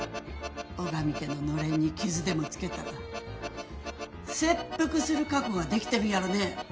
尾上家ののれんに傷でも付けたら切腹する覚悟ができてるんやろね？